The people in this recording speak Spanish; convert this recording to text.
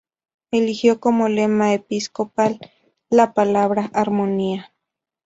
Eligió como lema episcopal la palabra "armonía".